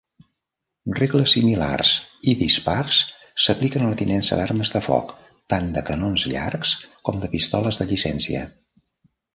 Regles similars i dispars s'apliquen a la tinença d'armes de foc, tant de canons llargs com de pistoles de llicència.